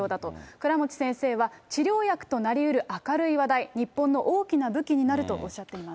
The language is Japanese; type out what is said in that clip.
倉持先生は、治療薬となりうる明るい話題、日本の大きな武器になるとおっしゃっています。